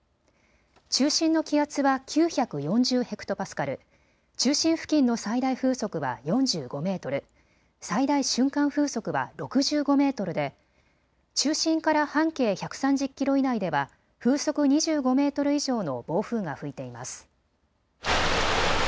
中心の気圧は９４０ヘクトパスカル、中心付近の最大風速は４５メートル、最大瞬間風速は６５メートルで中心から半径１３０キロ以内では風速２５メートル以上の暴風が吹いています。